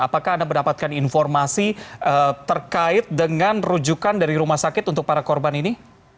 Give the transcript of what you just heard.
apakah anda mendapatkan informasi terkait dengan rujukan dari rumah sakit untuk para korban ini